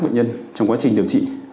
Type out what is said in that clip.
bệnh nhân trong quá trình điều trị